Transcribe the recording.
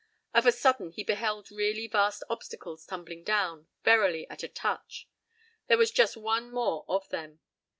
Of a sudden he beheld really vast obstacles tumbling down, verily at a touch. Here was just one more of them.